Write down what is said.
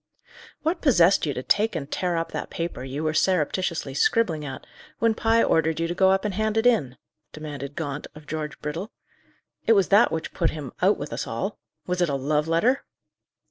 "What possessed you to take and tear up that paper you were surreptitiously scribbling at, when Pye ordered you to go up and hand it in?" demanded Gaunt, of George Brittle. "It was that which put him out with us all. Was it a love letter?"